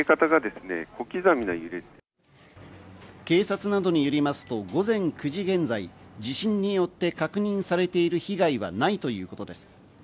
警察などによりますと午前９時現在、地震によって確認されている被害はないということです。